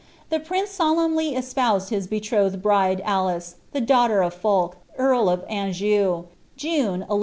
The prince solemnly espoused his betrothed liriot .Mice, the daughter of Fulk, earl of Anjou, June 1119.